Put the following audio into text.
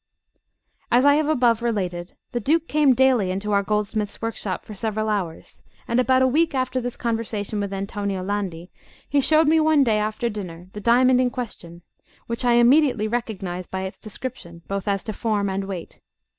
As I have above related, the Duke came daily into our goldsmith's workshop for several hours; and about a week after this conversation with Antonio Landi he showed me one day after dinner the diamond in question, which I immediately recognised by its description, both as to form and weight.